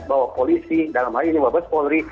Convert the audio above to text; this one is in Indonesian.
bahwa polisi dalam hari ini wabah polri